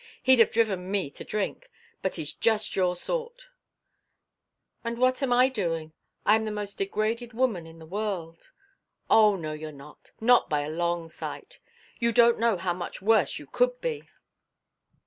He'd have driven me to drink, but he's just your sort " "And what am I doing? I am the most degraded woman in the world." "Oh, no, you're not. Not by a long sight. You don't know how much worse you could be.